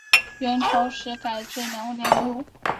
元朝时改置辽阳路。